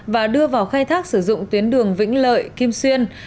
và đưa vào khai thác sử dụng tuyến đường vĩnh lợi kim xuyên